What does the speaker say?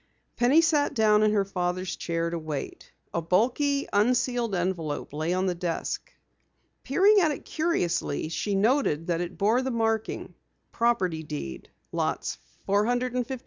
Penny sat down in her father's chair to wait. A bulky, unsealed envelope lay on the desk. Peering at it curiously she noted that it bore the marking: "Property Deed: Lots 456, 457, and 458."